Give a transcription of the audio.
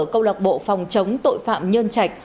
công lạc bộ phòng chống tội phạm nhơn trạch